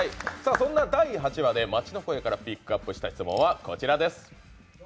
そんな第８話で街の声からピックアップした質問はこちらです。